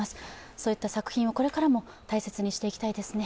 そういった作品をこれからも大切にしていきたいですね。